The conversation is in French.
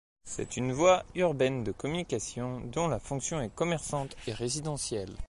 C'est une voie urbaine de communication dont la fonction est commerçante et résidentielle.